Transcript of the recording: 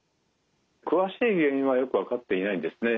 詳しい原因はよく分かっていないんですね。